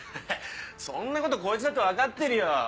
そんなことこいつだって分かってるよ。